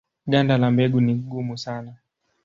Ganda la mbegu ni gumu sana.